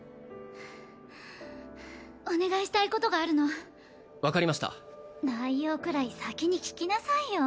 ハァハァお願いしたいことがあるの分かりました内容くらい先に聞きなさいよ